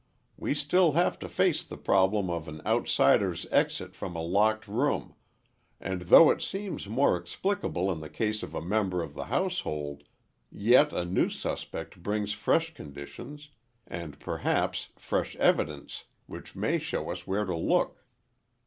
We still have to face the problem of an outsider's exit from a locked room, and though it seems more explicable in the case of a member of the household, yet a new suspect brings fresh conditions, and perhaps fresh evidence, which may show us where to look.